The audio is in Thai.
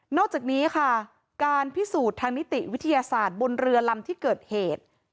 อกจากนี้ค่ะการพิสูจน์ทางนิติวิทยาศาสตร์บนเรือลำที่เกิดเหตุ